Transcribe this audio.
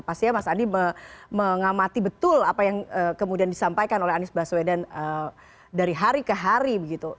pastinya mas andi mengamati betul apa yang kemudian disampaikan oleh anies baswedan dari hari ke hari begitu